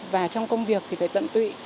và trong công việc thì phải tận tụy